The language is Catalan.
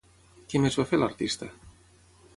Què més va fer l'artista?